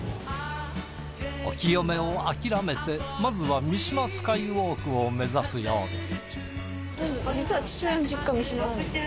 お清めを諦めてまずは三島スカイウォークを目指すようです。